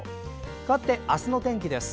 かわって、明日の天気です。